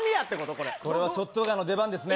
これこれはショットガンの出番ですね